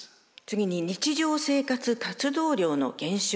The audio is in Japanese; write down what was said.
次に日常生活活動量の減少。